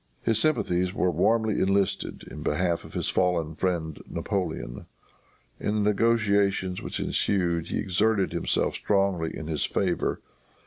His sympathies were warmly enlisted in behalf of his fallen friend Napoleon. In the negotiations which ensued he exerted himself strongly in his favor.